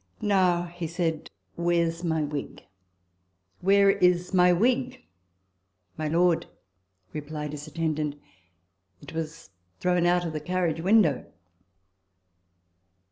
" Now," said he, " where's my wig where is my wig ?"" My lord," replied his attendant, " it was thrown out of the carriage window."